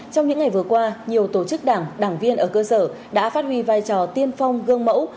trong những ngày vừa qua nhiều tổ chức đảng đảng viên ở cơ sở đã phát huy vai trò tiên phong gương mẫu